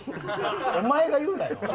お前が言うなよ。